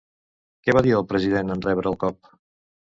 Què va dir el president en rebre el cop?